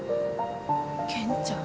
健ちゃん。